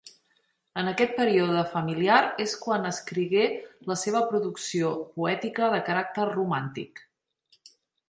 En aquest període familiar és quan escrigué la seva producció poètica de caràcter romàntic.